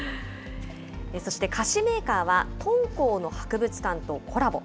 そして菓子メーカーは、敦煌の博物館とコラボ。